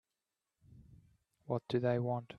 What do they want?